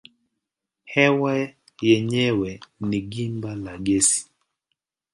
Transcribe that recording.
Hewa yenyewe ni gimba la gesi.